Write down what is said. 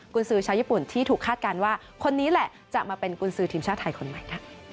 คุณซื้อชาวญี่ปุ่นที่ถูกคาดการณ์ว่าคนนี้แหละจะมาเป็นกุญสือทีมชาติไทยคนใหม่ค่ะ